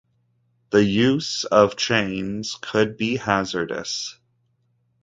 The use of chains could be hazardous.